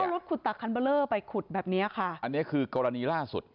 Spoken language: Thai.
รถขุดตักคันเบอร์เลอร์ไปขุดแบบเนี้ยค่ะอันนี้คือกรณีล่าสุด